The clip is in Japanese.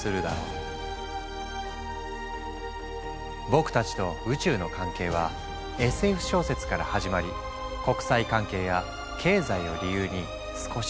僕たちと宇宙の関係はＳＦ小説から始まり国際関係や経済を理由に少しずつ近づいてきた。